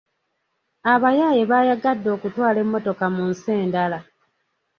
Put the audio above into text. Abayaaye baayagadde okutwala emmotoka mu nsi endala.